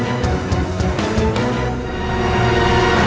rastik kialuh tan bersemivere